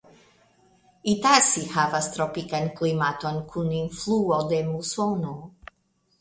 Itarsi havas tropikan klimaton kun influo de musono.